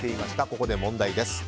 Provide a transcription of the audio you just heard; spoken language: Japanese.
ここで問題です。